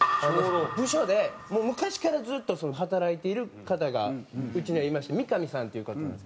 部署でもう昔からずっと働いている方がうちにはいまして三上さんっていう方なんですけど。